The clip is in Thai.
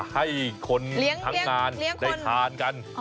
ให้คนทั้งงานได้ทานกัน